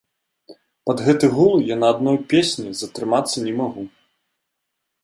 Пад гэты гул я на адной песні затрымацца не магу.